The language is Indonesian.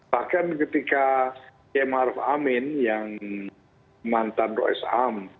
bahkan ketika yemaruf amin yang mantan ru s a m